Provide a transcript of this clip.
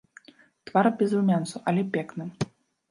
Твар без румянцу, але пекны.